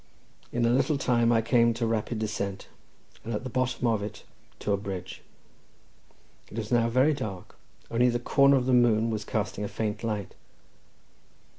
In a little time I came to a rapid descent, and at the bottom of it to a bridge. It was now very dark; only the corner of the moon was casting a faint light.